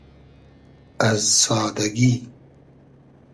از سادئگی